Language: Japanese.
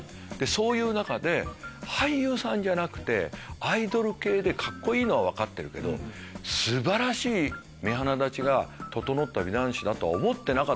そういう中で俳優さんじゃなくてアイドル系でカッコいいのは分かってるけど素晴らしい目鼻立ちが整った美男子だとは思ってなかったから。